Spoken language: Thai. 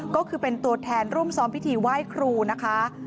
ก็คือเป็นตัวแทนร่วมซ้อมพิธีไหว้ครูนะคะ